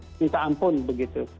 waduh minta ampun begitu